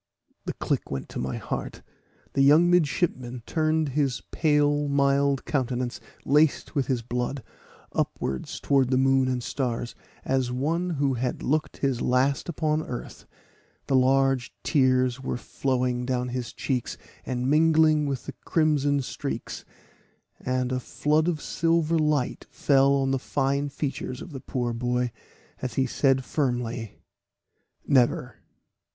The click went to my heart. The young midship man turned his pale mild countenance, laced with his blood, upwards towards the moon and stars, as one who had looked his last look on earth; the large tears were flowing down his cheeks, and mingling with the crimson streaks, and a flood of silver light fell on the fine features of the poor boy, as he said firmly, "Never."